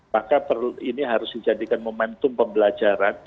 maka ini harus dijadikan momentum pembelajaran